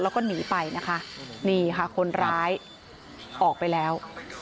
แล้วก็หนีไปนะคะนี่ค่ะคนร้ายออกไปแล้ว